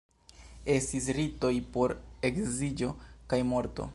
Estis ritoj por edziĝo kaj morto.